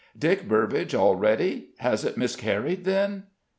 "Dick Burbage already? Has it miscarried, then?"